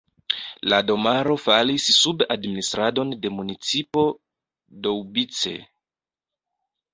La domaro falis sub administradon de municipo Doubice.